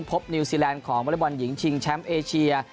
พบนิวซีแลนด์ของบริบันหญิงชิงแชมป์เอเชีย